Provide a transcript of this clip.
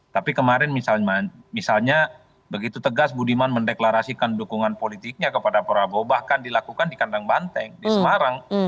tapi kemarin misalnya begitu tegas budiman mendeklarasikan dukungan politiknya kepada prabowo bahkan dilakukan di kandang banteng di semarang